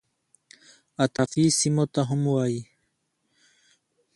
اطرافي سیمو ته هم وایي.